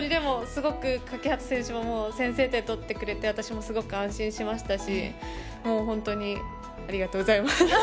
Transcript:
でも欠端選手も先制点取ってくれて私もすごく安心しましたし本当にありがとうございます。